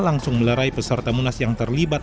langsung melerai peserta munas yang terlibat